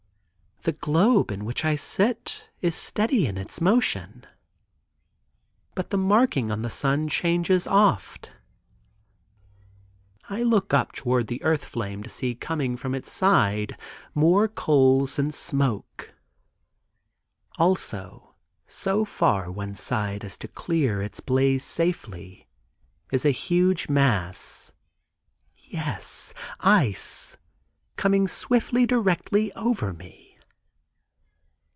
The globe in which I sit is steady in its motion, but the marking on the sun changes oft. I look up toward the earth flame to see coming from its side more coals and smoke; also so far one side as to clear its blaze safely, is a huge mass—yes, ice—coming swiftly directly over me.